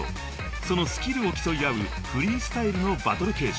［そのスキルを競い合うフリースタイルのバトル形式］